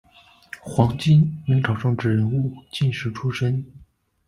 黄金，明朝政治人物，进士出身。